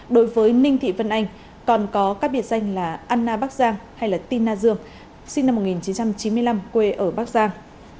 đối với ninh thị vân anh còn có các biệt danh là anna bắc giang hay tin na dương sinh năm một nghìn chín trăm chín mươi năm quê ở bắc giang